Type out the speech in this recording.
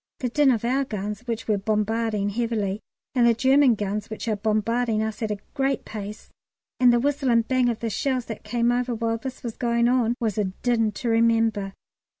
The din of our guns, which were bombarding heavily, and the German guns, which are bombarding us at a great pace, and the whistle and bang of the shells that came over while this was going on, was a din to remember.